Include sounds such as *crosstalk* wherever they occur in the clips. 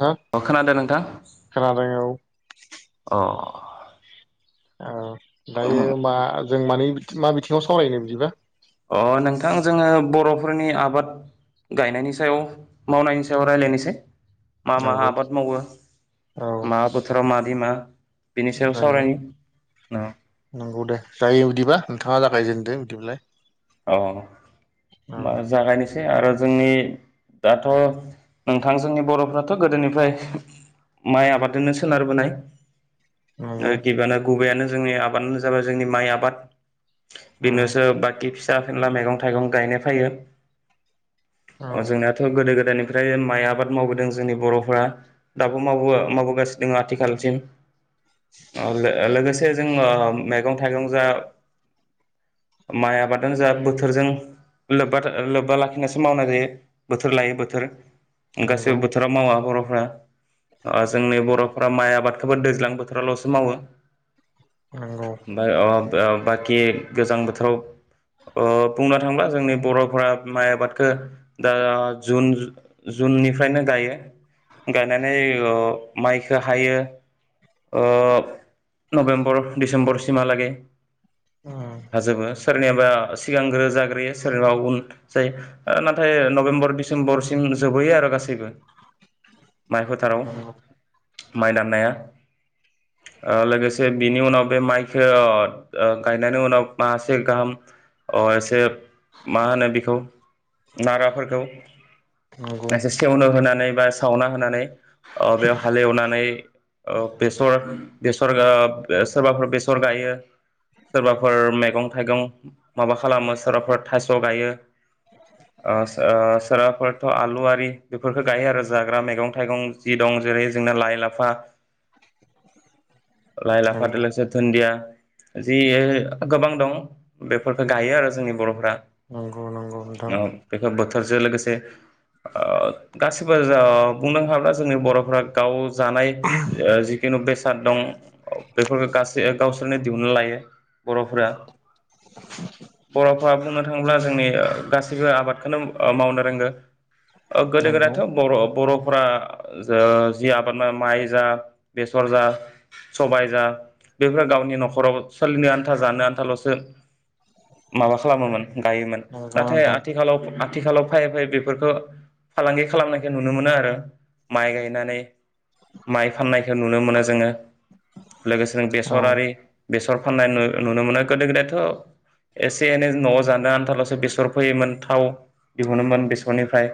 नोंथां अ खोनादों नोंथां खोनादों औ अ औ दायो मा जों मानै मा बिथिङाव सावरायनो बिदिबा अ नोंथां जोङो बरफोरनि आबाद गायनायनि सायाव मावनायनि सायाव रायज्लायनोसै। मा मा नंगौ आबाद मावो औ मा बोथोराव मा *unintelligible* सायाव जायो सावरायनि अ नंगौ दे जायो बिदिबा नोंथाङा जागायजेन दे बिदिबालाय। अ मा जागायनोसै आरो जोंनि दाथ नोंथां जोंनि बरफ्राथ गोदोनिफ्राय माइ आबादजोंनो सोनारबोनाय नंगौ आरो गिबानो गुबैयानो जोंनि आबादानो जाबाय जोंनि माइ आबाद औ बेनोसो बाकि फि जा फेनला मैगं थाइगं गायनाय फायो अ औ जोंनियाथ गोदो गोदायनि ओमफ्राय माइ आबाद मावबोदों जोंनि बरफोरा दाबो माव मावबोगासिनो दङ आथिखालसिम अ लो लोगोसे *inaudible* मेगं थाइगं जा माइ आबाद जों बोथोरजों लोब्बा लाखिनानैसो मावनाय जायो बोथोर लायो बोथोर। नंगौ गासैबो बोथोराव मावा *unintelligible* ब्रा आं जोंनि बर माइ आबादखौबो दैज्लां बोथोरावल'सो मावो नंगौ आमफाय ओ बाखि गोजां बोथोराव ओ बुंनो थाङोब्ला जोंनि बर'फोरा माइ आबादखौ दा जुन जुननिफ्रायनो गायो गायनानै ओ माइखो हायो ओ नभेम्बर डिसेम्बरसिमहालागै *inaudible* हाजोबो सोरनिबा। सिगांग्रो जाग्रोयो सोरबा उन जायो नाथाय नभेम्बर डिसेम्बरसिम जोबबोैयो आरो गासै माइ फोथाराव नंगौ माइ दान्नाया ओ लोगोसे बिनि उनाव बे माइख ओ गायनायनि उनाव माखासे गाहाम। अ एसे मा होनो बेखौ नाराफोरखौ नंगौ एसे सेवनो होनानै *unintelligible* सावना होनानै ओ बेयाव हालेवनानै ओ बेसर बेसर सोरबाफोर बेसर गायो सोरबाफोर मैगं थाइगं। माबा खालामो सोरबाफोर थास' गायो। ओ आ सोरा। थ' आलुआि बेफोरफोरखौ गायो आरो जाग्रा मैगं थाइगं जि दं जेरै जोंना लाइ लाफा लाय लाफादो लोगोसे दोन्दिया जि गोबां दं बे फोरखो गायो आरो जोंनि बर'फ्रा नंगौ नंगौ नोंथां औ बेफोर बोथोरजों लोगोसे गासिबो जा ओ बुंनो हाब्ला जोंनि बर'फोरा गाव जानाय ओ जिखु बे फाल दं। *unintelligible* बेफोर गासै गावसोरनो दिहुनना लायो। बर'फोरा बर'फ्रा बुंनो थाङोब्ला जोंनि गासैबो आबादखोनो ओ मावनो रोंगो ओ गोदो नंगौ गोदायथ' बर' बर' फोरा जों जि आबाद माव माइ जा बेसर जा सबाय जा बेफोरा गावनि न'खराव सोलिनो आन्था जानो आन्थाल'सो माबा खालामोमोन गायोमोन। नंगौ नाथाय नोंथां आथिखालाव आथिखालाव फैै फै बेफोरखौ फालांगि खालामनायखौ नुनो मोनो आरो माइ गायनानै माइ फाननायखौ नुनो मोनो जोङो। लोगोसे नों औ बेसरारि बेसर। फनलाइन नुनो मोनो गोदो गोदायथ'। एसे एनै न'आव जानो आनथाल'सो बेसर फैयोमोन थाव दिहुनोमोन बेसरनिफ्राय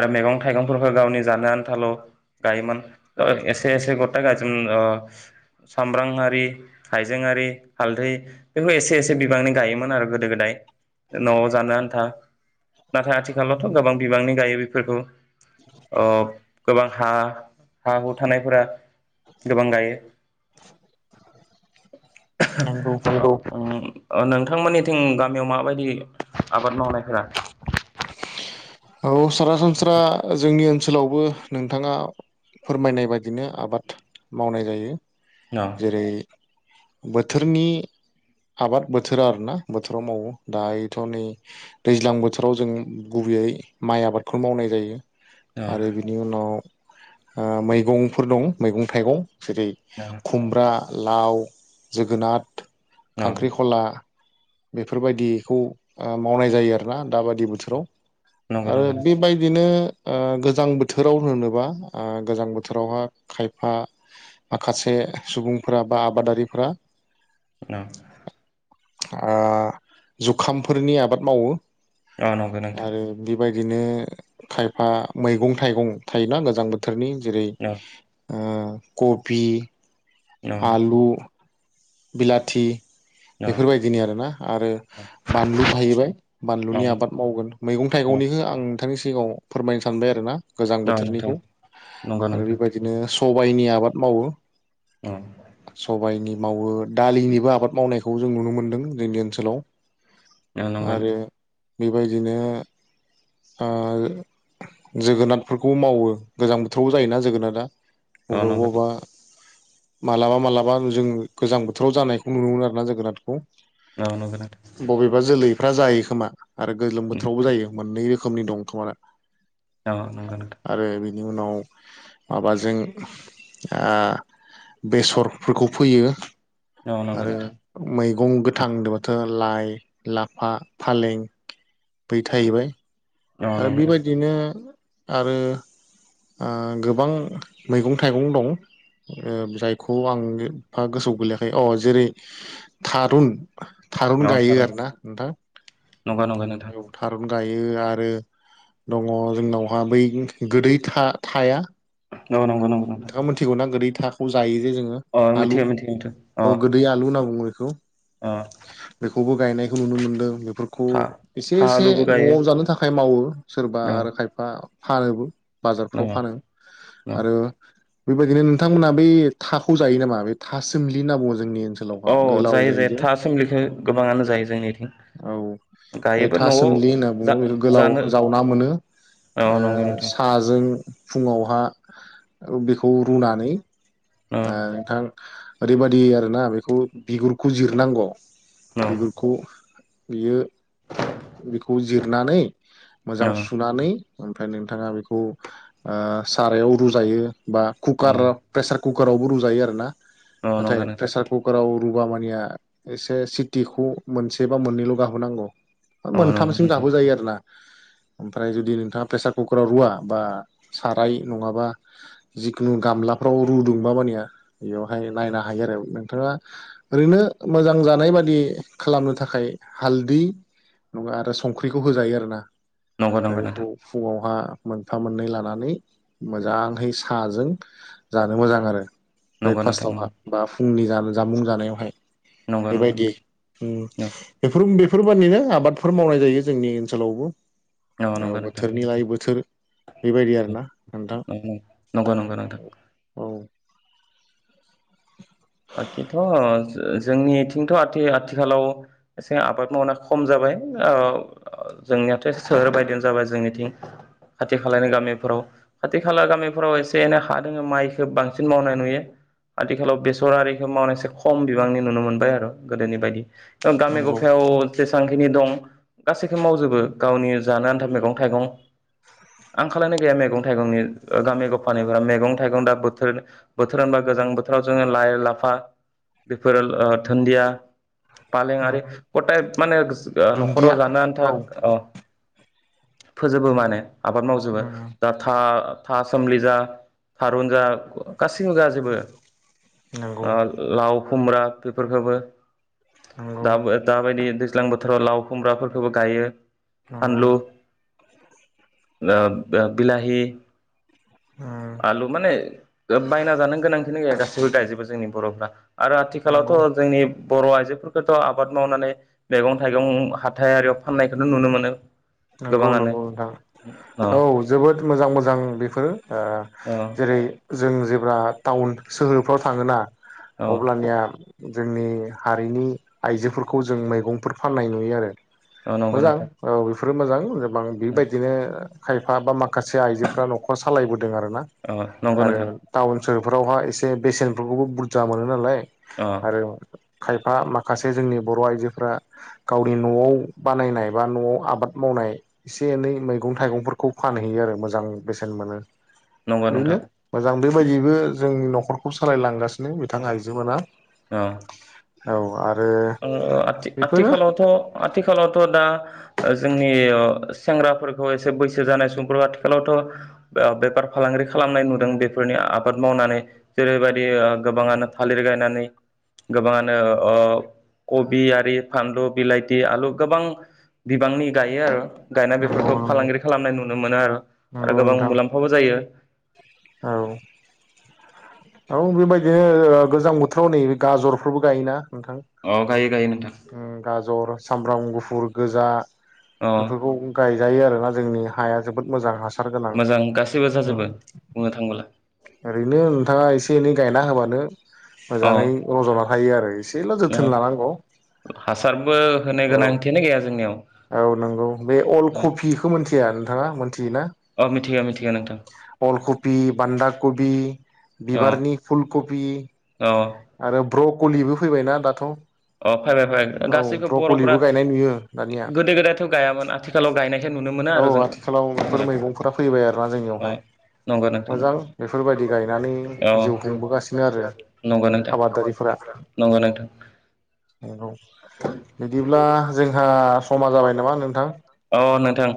आरो मैगं थाइगंफोरखौ गावनि जानो आनथाल' गायोमोन एसे एसे गथा गायोबोन सामब्रांआरि हायजेंआरि हालदै। बेखौ एसे एसे बिबांनि गायोमोन आरो गोदो गोदाय। न'आव जानो आन्था नाथाय आथिखालावथ' गोबां बिबांनि गायो बेफोरखौ। अ गोबां हा हा हु थानायफोरा गोबां गायो नंगौ नोंगौ। उम ओ नोंथांमोननिथिं गामियाव माबायदि आबाद मावनायफोरा औ सरासनस्रा जोंनि ओनसोलावबो नोंथाङा फोरमायनाय बायदिनो आबाद मावनाय जायो न जेरै बोथोरनि आबाद बोथोरा आरोना बोथोराव मावो दायोथ' नै दैज्लां बोथोराव जों गुबैयै माइ आबादखौनो मावनाय जायो न आरो बिनि उनाव। ओ मैगंफोर दं मैगं थाइगं। जेरै न खुमब्रा लाव जोगोनार न खांख्रिख'ला। बेफोरबायदिखौ ओ मावनाय जायो आरोना दाबाददि बोथोराव। नंगौ आरो नंगौ बेबायदिनो ओ गोजां बोथोराव होनोबा गोजां बोथोरावहा खायफा माखासे सुबुंफोरा बा आबादारिफोरा औ ओ जुखामफोरनि आबाद मावो औ नंगौ नोंथां। बिदिनो खायफा मैगं थाइगं थायोना गोजां बोथोर फोरनि जेरै। न ओ कपि औ आलु बिलाथि। औ बेफोरबायदिनि आरोना आरो बानलु थाहैबाय औ बानलुनि आबाद मावगोन मैगं औ थाइगंनिखौ आं। नोंथांनि सिगाङाव फोरमायनो सानबाय आरो ना गोजां नोंथां बोथोरनिखौ नंगौ आरो नोंथां बेबायदिनो। सबायाइनि आबाद मावो औ सबायनि। मावो दालिनिबो आबाद मावनायखौ जों नुनो मोन्दों जोंनि ओनसोलाव औ नंगौ आरो नोंथां बेबायदिनो ओ जोगोनारफोरखौ मावो गोजां बोथोराव जायोना जोगोनादा औ ब'बा नंगौ ब'बा नोंथां मालाबा मालाबा जों गोजां बोथोराव जानायखौ नुनो मोनो आरो ना जोगोनारखौ। औ नंगौ नोंथां *inaudible* बबेबा जोलै बिफ्रा जायो खोमा। आरो गोलोम बोथोरावबो जायो मोननै रोखोमनि दंथ' आरो औ नंगौ नोंथां। बेनि उनाव माबाजों आ बेसरफोरखौ फोयो। औ नंगौ आरो नोंथां मै गं गोथां होनदोबाथ' लाइ लाफा फालें बै थाहैबाय औ आरो नंगौ नोंथां बेबायदिनो आरो ओ गोबां मैगं थाइगं दं ओ जायखौ आं एफा गोसोआव गोलैयाखै अ जेरै थारुन थारुन औ गायो थारैनो आरो ना नोंथां नंगौ नंगौ नोंथां *unintelligible* थारुन गायो *unintelligible* आरो दंङ जोंनावहा बै गोदै था-थाया। औ नंगौ नंगौ नोंथां नोंथाङा मिथिगौ ना गोरैथा। ख जायो। जे जोङो अ आलु मिथिगौ मिथिगौ नोंथां औ अ गोदै आलु होनना बुङो। खौ अ बेखौबो गायनायखौ नुनो मोनदों बे फोरखौ था एसे था एसे आलुबो गायो न'आव जानो थाखाय मावो सोरबा औ आरो खायफा फानोबो। बाजारफ्राव औ फानो औ आरो। बेबायदिनो नोंथांमोना बै थाखौ जायो नामा बे था सोमलि होनना बुङो जोंनि औ ओनसोलावहा गोलाव जायो जे था सोमलिखौ गोबाङानो जायो जोंनिथिं औ बे गायोबो था न'आव सोमलि होनना जा बुंङो बेखौ गोलाव जानो जावना मोनो औ ओ नंगौ नोंथां साजों फुङावहा ओ बेखौ रुनानै। औ ओ नोंथां ओरैबादि आर ना बेखौ बिगुर खौजिरनांगौ औ बिगुरफोरखौ बियो। बेखौ जिरनानै मोजां औ सुनानै ओमफ्राय नोंथाङा बेखौ ओ सारायाव रुजायो बा कुकार औ प्रेसार कुकारावबो रुजायो आरो ना औ नंगौ नाथाय नोंथां प्रेसार कुकार आव रुुबा मानिया एसे सिटिखौ मोनसे बा मोननैल' गाबहोनांगौ औ नंगौ मोनथामसिम नोंथां गाबो जायो आरो ना ओमफ्राय जुदि नोंथाङा प्रेसार कुकाराव रुवा बा साराय नङाबा जिखुनु गामलाफ्राव रुदुंबा मानिया बेयावहाय नायनो हायो आरो नोंथाङा ओरैनो मोजां जानाय बादि खालामनो थाखाय हालदै। नङा आरो संख्रिखौ होजायो आरो ना। नंगौ ओमफ्राय नंगौ बेखौ नोंथां फुंङावहा मोनफा मोननै लानानै मोजांहै साजों जानो मोजां आरो ब्रेक नंगौ नोंथां फास्टावहा नंगौ बा फुंनि जा जामुं जानायावहाय नंगौ नंगौ बेबायदि उम नोंथां बेफोर बे फोरबादिनो आबादफोर मावनाय जायो जोंनि ओनसोलावबो नंगौ औ नोंथां बोथोरनि लायै बोथोर बेबायदि आरोना नोंथां नंगौ नंगौ नोंथां औ औ बाखिथ' जोंनिथिंथ' आथि आथिखालाव एसे आबाद मावनाय खम जाबाय औ जोंनियाथ' सोहोर बायदियानो जाबाय जोंनिथिं खाथि खालानि गामिफोराव खाथि खाला गामिफोराव एसे एनै हा दोङो माइखो बांसिन मावनाय नुयो आथिखालाव बे बेसरयारिखौ मावनाय एसे खम बिबांनि नुनो मोनबाय आरो गोदोनि बायदि गामि नंगौ गफायाव जेसांखिनि दं। गासैखौ मावजोबो गावनि जानो आनथा मैगं थाइगं आंखालानो गैया मेगं। थायगंनि गामि गफानि मैगं थाइगंनि बोथोर दा गोजां बोथोराव जोङो लाफा बेफोर दोन्दिया फालें आरो गथाय माने ओ न'खराव दुन्दिया जानो आन्था औ अ। फोजोबो माने आबाद मावजोबो उम दा था था सोमलि जा थारुन जा गासिखौबो जाजोबो नंगौ ओ लाव खुमब्रा बेफोरखोबो। नंगौ दाब दाबाया दैज्लां बोथोराव लाव खुमब्राफोरखौबो गायो। नंगौ ओ नो बिलाहि उम आलु माने बायना जानो गोनां गासैबो गायजोबो जोंनि बरफ्रा आरो आथिखालावथ नंगौ जोंनि बर आइजोफोरखौथ आबाद मावनानै मैगं थाइगं हाथायारियाव फाननायखौथ नुनो मोनो नंगौ गोबाङानो नंगौ नोंथां अ औ जोबोद मोजां मोजां बेफोरो ओ अ जेरै जों जेब्ला टाउन सोहोरफ्राव थाङोना अ अब्लानिया जोंनि हारिनि आइजोफोरखौ जों मैगंफोर फाननाय नुयो आरो अ नंगौ मोजां नोंथां औ फोरो मोजां जोब गोबां बेबायदिनो खायफा बा मा माखासे आइजोफोरा नखर सालायबोदों आरो ना अ नंगौ आरो नोंथां टाउन सोहोर बेफोरावहा एसे बेसेनफोरखौबो बुरजा मोनो नालाय अ आरो खायफा माखासे जोंनि बर आइजोफोरा गावनि नआव बानायनाय बा नआव आबाद मावनाय एसे एनै मैगं थाइगंफोरखौ फानहैयो आरो मोजां बेसेन मोनो नंगौ ओरैनो नोंथां मोजां बेबायदिबो जोंनि नखरखौ सालायलांगासिनो बिथां आइजो मोना औ औ आद आ आथि आथिखालावथ आथिखालावथ दा जोंनि सेंग्राफोरखौ एसे बैसो जानाय सुबुं आथिखालावथ बेफार फालांगि खालामनाय नुदों बेफोरनि आबाद मावनानै जेरैबायदि गोबाङानो थालिर गायनानै गोबाङानो कबि आरि फानलु बिलाथि आलु गोबां बिबांनि गायो आरो गायनाय नंगौ बेफोरखौ नंगौ फालांगिरि खालामनाय नुनो मोनो आरो आरो नंगौ गोबां नोंथां मुलाम्फाबो जायो औ औ बेबायदिनो गोजां बोथोराव नै गाजरफोरबो गायोना नोंथां अ गायो गायो नोंथां ओम गाजर सामब्राम गुफुर गोजा अ बेफोरखौ गायजायो आरोना जोंनि हाया जोबोद मोजां हास मोजां गासिबो *inaudible* औ ओरैनो नोंथाङा एसे एनै गायना होबानो औ मोजाङै रज'ना थायो आरो एसेल' औ जोथोन लानांगौ हासारबो होनो औ गोनांथियानो गैया जोंनियाव औ नंगौ बे अल कबि खौ मिथिया नोंथाङा मिथियोना अ मिथिगौ मिथिगौ नोंथां अल कबि बान्दा कबि *unintelligible* औ बिबारनि फुलकपि औ आरो ब्रकलिबो फैबायना दाथ' अ फै फै फै औ गासैखौबो बरफ्रा ब्रकलिबो गायनाय नुयो दानिया गोदो गोदायथ गायामोन आथिखालाव गायनायखाय नुनो मोनो औ आरो जों अ आथिखालाव बेफोर मैगंफोरा फैबाय आरोना जोंनियावहाय नंगौ नोंथां मोजां नंगौ। बेफोरबायदि गायनानै औ जिउ खुंबोगासिनो आरो नंगौ नोंथां आबादारिफोरा नंगौ नोंथां औ बिदिब्ला जोंहा समा जाबाय नामा नोंथां औ नोंथां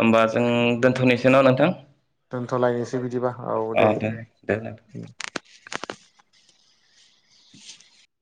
होमबा जों औ दोन्थनोसै न नोंथां दोनथलायनोसै बिदिबा औ दे *unintelligible*